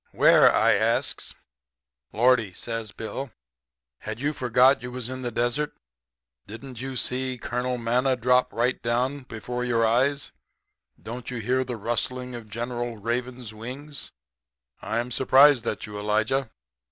"'Where?' I asks. "'Lordy!' says Bill, 'had you forgot you was in the desert? Didn't you see Colonel Manna drop down right before your eyes? Don't you hear the rustling of General Raven's wings? I'm surprised at you, Elijah.'